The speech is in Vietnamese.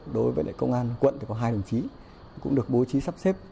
đối với công an quận thì có hai đồng chí cũng được bố trí sắp xếp